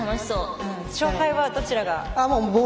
勝敗はどちらが？